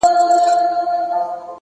علم د تصمیم نیولو ځواک زیاتوي.!